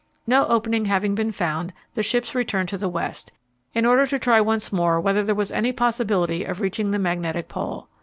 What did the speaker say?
No opening having been found, the ships returned to the west, in order to try once more whether there was any possibility of reaching the Magnetic Pole.